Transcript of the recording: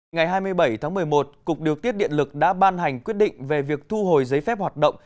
ngày hai mươi bảy tháng một mươi một cục điều tiết điện lực đã ban hành quyết định về việc thu hồi giấy phép hoạt động